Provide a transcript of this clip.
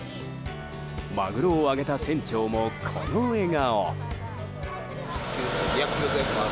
マグロを揚げた船長もこの笑顔。